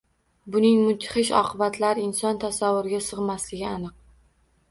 Buning mudhish oqibatlari inson tasavvuriga sig‘masligi aniq